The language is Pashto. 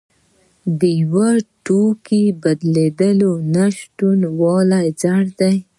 د یو توکي د بدیل نشتوالی یو خنډ دی.